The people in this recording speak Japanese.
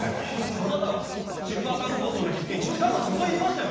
あなたはシルバータウン構想の実現に力を注いでましたよね？